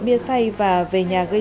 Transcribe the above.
bia say và về nhà gây